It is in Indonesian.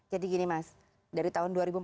jadi gini mas dari tahun dua ribu empat belas